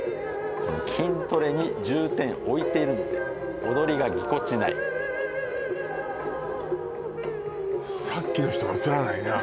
筋トレに重点置いてるので踊りがぎこちないさっきの人が映らないね